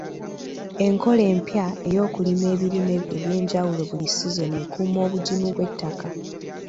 Enkola empya ey'okulima ebirime eby'enjawulo buli sizoni ekuuma obugimu bw'ettaka.